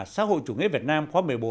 xã hội chủ nghĩa việt nam